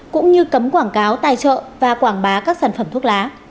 cũng như cấm quảng cáo tài trợ và quảng bá các sản phẩm thuốc lá